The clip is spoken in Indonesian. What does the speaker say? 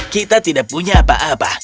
kita tidak punya apa apa